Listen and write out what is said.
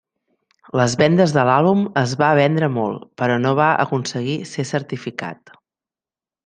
Les vendes de l'àlbum es va vendre molt, però no va aconseguir ser certificat.